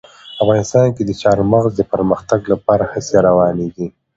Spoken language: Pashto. افغانستان کې د چار مغز د پرمختګ لپاره هڅې روانې دي.